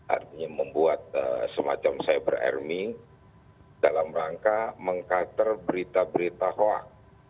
artinya membuat semacam cyber army dalam rangka meng cutter berita berita hoak